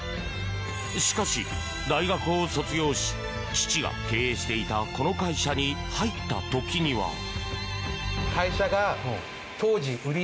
しかし、大学を卒業し父が経営していたこの会社に入った時には。